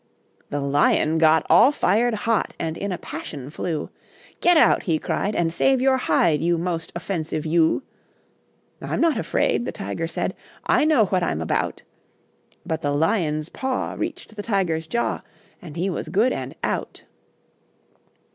The Lion got All fired hot And in a passion flew. "Get out," he cried, "And save your hide, You most offensive You." "I'm not afraid," The Tiger said, "I know what I'm about." But the Lion's paw Reached the Tiger's jaw, And he was good and out.